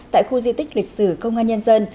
tại khu di tích lịch sử công an nhân dân